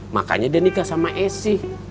makanya dia nikah sama esi